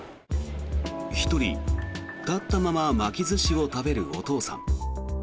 １人、立ったまま巻き寿司を食べるお父さん。